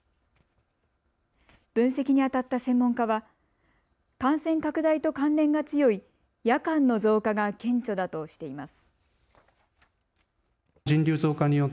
分析にあたった専門家は感染拡大と関連が強い夜間の増加が顕著だとしています。